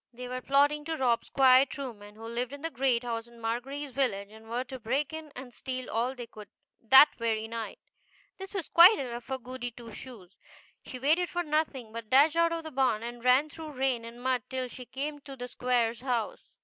They were plotting to rob Squire Trueman, who lived in the great house in Margery's village, and were to break in and steal all they could that very night. This was quite enough for Goody Two Shoes. She waited for nothing, but dashed out of the barn, and ran through rain and mud till she came to the Squire's house.